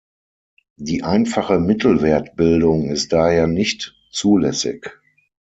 Die einfache Mittelwertbildung ist daher nicht zulässig.